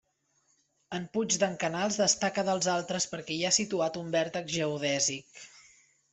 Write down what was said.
En puig d'en Canals destaca dels altres perquè hi ha situat un vèrtex geodèsic.